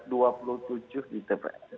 seribu tujuh ratus dua puluh tujuh di tps